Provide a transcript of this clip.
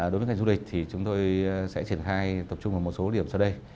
đối với ngành du lịch thì chúng tôi sẽ triển khai tập trung vào một số điểm sau đây